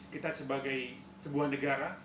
kita sebagai sebuah negara